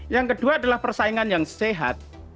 yang kedua adalah persaingan yang sehat